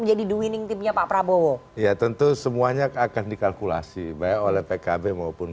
menjadi diwining timnya pak prabowo ya tentu semuanya akan dikalkulasi oleh pkb maupun